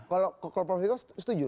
kalau prof fiko setuju